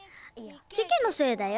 ケケのせいだよ。